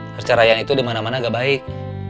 perceraian itu dimana mana gak baik